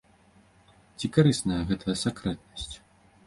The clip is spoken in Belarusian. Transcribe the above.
Ці карысная гэтая сакрэтнасць?